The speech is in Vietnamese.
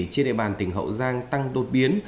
trên địa bàn tỉnh hậu giang tăng đột biến